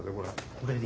これに？